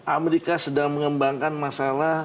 amerika sedang mengembangkan masalah